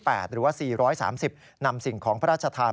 หรือว่า๔๓๐นำสิ่งของพระราชทาน